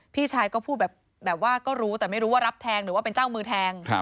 พี่ชายก็พูดแบบว่าก็รู้แต่ไม่รู้ว่ารับแทงหรือว่าเป็นเจ้ามือแทง